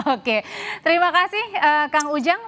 oke terima kasih kang ujang